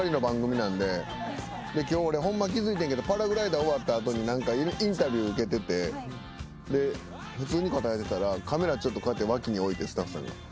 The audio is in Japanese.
今日俺ホンマ気付いてんけどパラグライダー終わった後にインタビュー受けてて普通に答えてたらカメラ脇に置いてスタッフさんが。